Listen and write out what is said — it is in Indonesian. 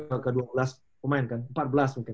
jadi ke dulu ke ke dua belas pemain kan